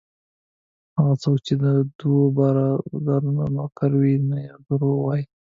هغه څوک چې د دوو بادارانو نوکر وي یوه ته درواغ وايي.